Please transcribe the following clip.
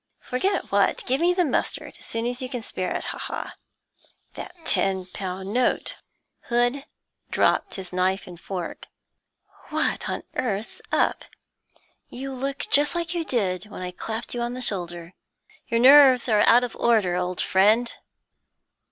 'Forget what? give me the mustard, as soon as you can spare it; ha, ha!' 'That ten pound note!' Hood dropped his knife and fork. 'What on earth's up? You look just like you did when I clapped you o' the shoulder. Your nerves are out of order, old friend.'